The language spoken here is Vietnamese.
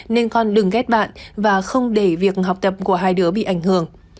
nên con đừng ghép bạn và không để việc học tập của hai đứa bị ảnh hưởng